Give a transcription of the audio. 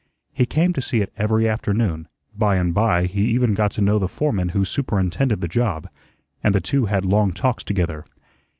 He came to see it every afternoon; by and by he even got to know the foreman who superintended the job, and the two had long talks together.